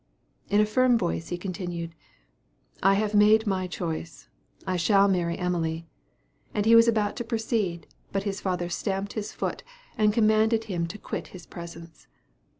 In a firm voice he continued, "I have made my choice, I shall marry Emily;" and he was about to proceed, but his father stamped his foot, and commanded him to quit his presence.